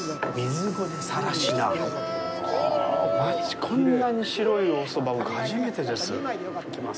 こんなに白いおそば、僕、初めてです。